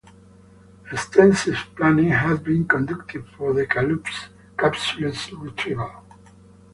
Extensive planning had been conducted for the capsule's retrieval.